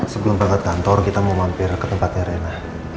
sebelum berada di kantor kita mau mampir ke tempatnya rena